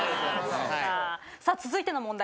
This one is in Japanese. さあ続いての問題